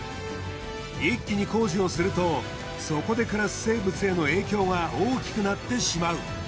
一気に工事をするとそこで暮らす生物への影響が大きくなってしまう。